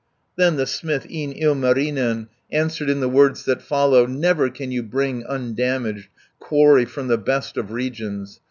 Then the smith, e'en Ilmarinen, Answered in the words that follow: "Never can you bring, undamaged, Quarry from the best of regions.